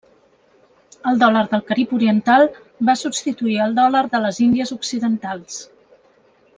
El dòlar del Carib Oriental va substituir el dòlar de les Índies Occidentals.